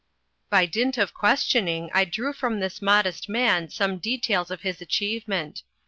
] By dint of questioning, I drew from this modest man some details of his achievement.